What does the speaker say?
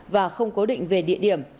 và không cố định về địa điểm